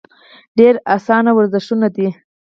ډېر اسان ورزشونه دي -